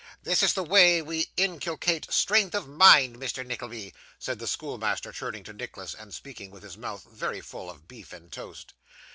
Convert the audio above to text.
This is the way we inculcate strength of mind, Mr. Nickleby,' said the schoolmaster, turning to Nicholas, and speaking with his mouth very full of beef and toast.